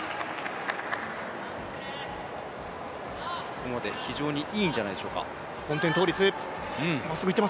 ここまで非常にいいんじゃないでしょうか。